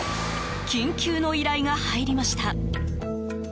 緊急の依頼が入りました。